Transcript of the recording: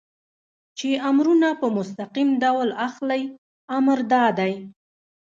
چې امرونه په مستقیم ډول اخلئ، امر دا دی.